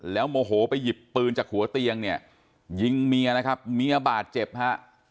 แล้วโมโหไปหยิบปืนจากหัวเตียงเนี่ยยิงเมียนะครับเมียบาดเจ็บฮะ